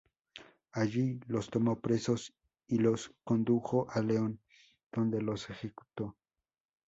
Allí los tomó presos y los condujo a León, donde los ejecutó.